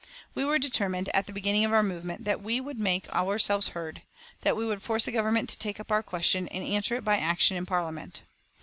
We were determined, at the beginning of our movement, that we would make ourselves heard, that we would force the Government to take up our question and answer it by action in Parliament.